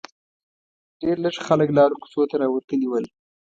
ډېر لږ خلک لارو کوڅو ته راوتلي ول.